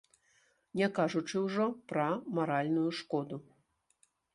Не кажучы ўжо пра маральную шкоду.